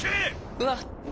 うわっ。